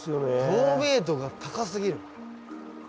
透明度が高すぎる。